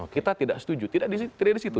kita tidak setuju tidak di situ